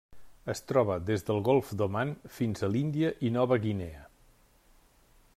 Es troba des del Golf d'Oman fins a l'Índia i Nova Guinea.